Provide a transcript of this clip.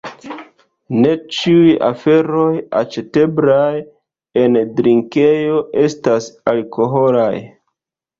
Ne ĉiuj aferoj aĉeteblaj en drinkejo estas alkoholaj: